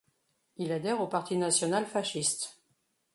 Il adhère au Parti national fasciste.